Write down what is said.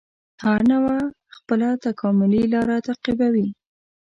هره نوعه خپله تکاملي لاره تعقیبوي.